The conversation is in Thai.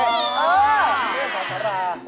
พอกาล